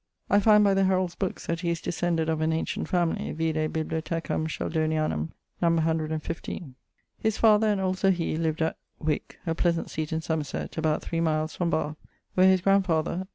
I find by the Heralds' bookes that he is descended of an ancient family (vide Bibliothecam Sheldonianam[AZ], no. 115). His father, and also he, lived at ... wyck, a pleasant seate in Somerset, about 3 miles from Bathe, where his grand father